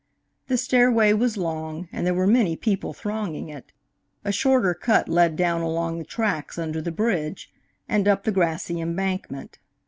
The stairway was long, and there were many people thronging it. A shorter cut led down along the tracks under the bridge, and up the grassy embankment.